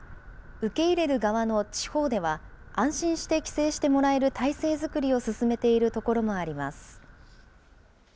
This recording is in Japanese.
受け入れる側の地方では、安心して帰省してもらえる体制作りを進めているところもあります。